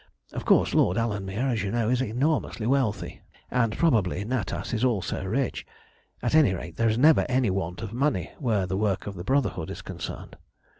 Of course, Lord Alanmere, as you know, is enormously wealthy, and probably Natas is also rich. At any rate, there is never any want of money where the work of the Brotherhood is concerned.